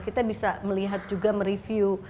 kita bisa melihat juga mereview